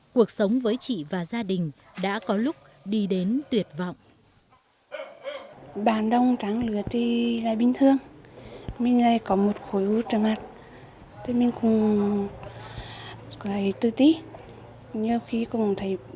cuộc sống với chị và gia đình đã có lúc đi đến tuyệt vọng